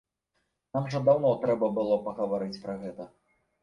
Нам жа даўно трэба было пагаварыць пра гэта.